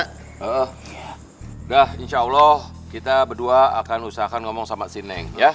udah insya allah kita berdua akan usahakan ngomong sama si neng ya